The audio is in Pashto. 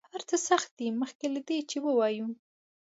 هر څه سخت دي مخکې له دې چې ووایو.